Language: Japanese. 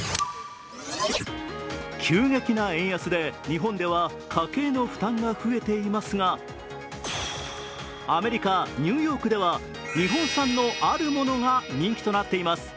急激な円安で日本では家計の負担が増えていますがアメリカ・ニューヨークでは日本産のあるものが人気となっています。